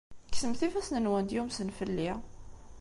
Kksemt ifassen-nwent yumsen fell-i!